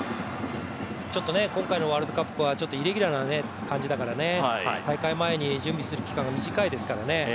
今回のワールドカップはイレギュラーな感じだからね、大会前に準備する期間が短いですからね。